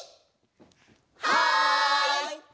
はい！